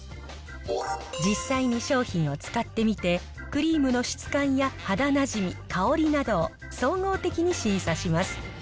実際に商品を使ってみて、クリームの質感や肌なじみ、香りなどを総合的に審査します。